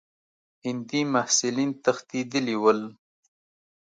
هندي محصلین تښتېدلي ول.